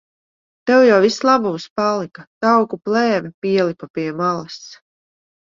Tev jau viss labums palika. Tauku plēve pielipa pie malas.